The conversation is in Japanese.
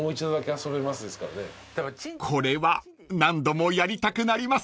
［これは何度もやりたくなります］